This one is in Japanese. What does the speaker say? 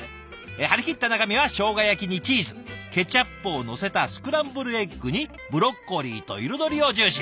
張り切った中身は生姜焼きにチーズケチャップをのせたスクランブルエッグにブロッコリーと彩りを重視。